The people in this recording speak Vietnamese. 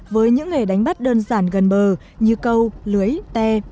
với những nghề đánh bắt đơn giản gần bờ như câu lưới tê